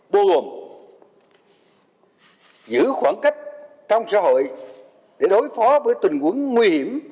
bao gồm giữ khoảng cách trong xã hội để đối phó với tình huống nguy hiểm